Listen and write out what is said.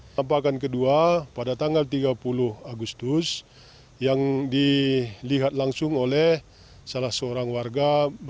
penampakan kedua pada tanggal tiga puluh agustus yang dilihat langsung oleh salah seorang warga tiga pada tanggal tiga puluh september